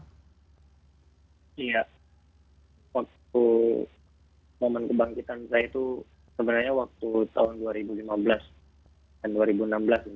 iya waktu momen kebangkitan saya itu sebenarnya waktu tahun dua ribu lima belas